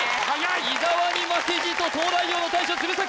伊沢に負けじと東大王の大将鶴崎